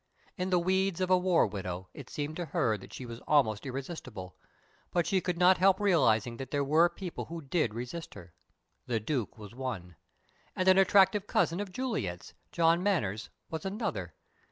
In the weeds of a war widow it seemed to her that she was almost irresistible, but she could not help realizing that there were people who did resist her. The Duke was one. And an attractive cousin of Juliet's, John Manners, was another.